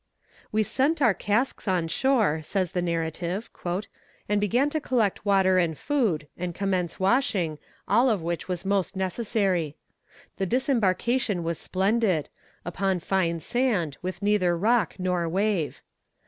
"We sent our casks on shore," says the narrative, "and began to collect water and wood, and commence washing, all of which was most necessary. The disembarkation was splendid upon fine sand, with neither rock nor wave.